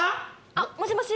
あっもしもし！